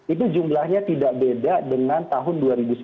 itu jumlahnya tidak beda dengan tahun dua ribu sembilan belas